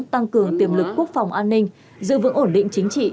tăng cường tiềm lực quốc phòng an ninh giữ vững ổn định chính trị